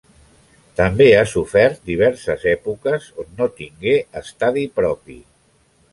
També ha sofert diverses èpoques on no tingué estadi propi.